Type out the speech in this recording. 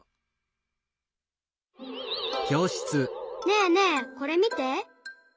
ねえねえこれみて。